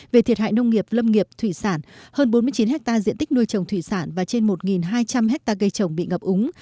về thiệt hại nông nghiệp lâm nghiệp thủy sản hơn bốn mươi chín hectare diện tích nuôi trồng thủy sản và trên một hai trăm linh hectare cây trồng bị ngập úng